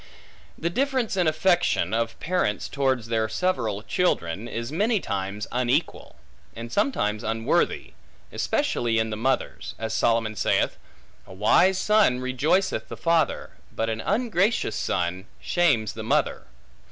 The difference in affection, of parents towards their several children, is many times unequal; and sometimes unworthy; especially in the mothers; as Solomon saith, A wise son rejoiceth the father, but an ungracious son shames the mother.